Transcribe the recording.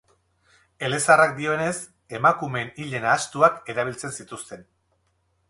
Elezaharrak dioenez, emakumeen ile nahastuak erabiltzen zituzten.